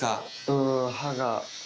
うん刃が。